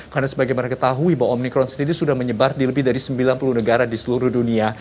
karena sebagai mereka tahu omikron sendiri sudah menyebar di lebih dari sembilan puluh negara di seluruh dunia